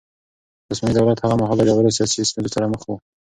عثماني دولت هغه مهال له ژورو سياسي ستونزو سره مخ و.